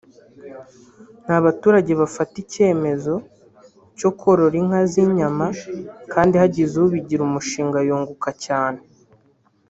nta baturage bafata icyemezo cyo korora inka z’inyama kandi hagize ubigira umushinga yakunguka cyane”